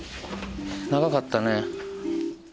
長かったね。